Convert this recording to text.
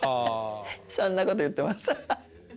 そんな事言ってました。